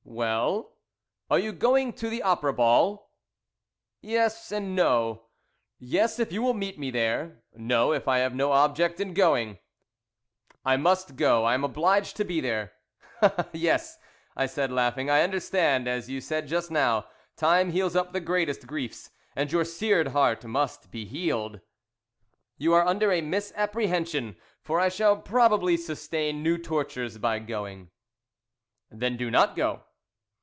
"Well?" "Are you going to the Opera Ball?" "Yes and No. Yes, if you will meet me there. No, if I have no object in going." "I must go, I am obliged to be there." "Ah, yes," I said laughing, "I understand, as you said just now, time heals up the greatest griefs, and your seared heart must be healed." "You are under a misapprehension, for I shall probably sustain new tortures by going." "Then do not go."